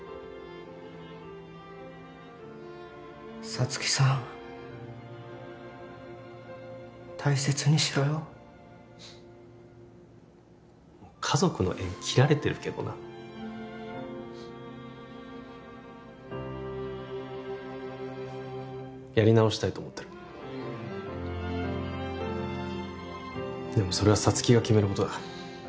沙月さん大切にしろよ家族の縁切られてるけどなやり直したいと思ってるでもそれは沙月が決めることだ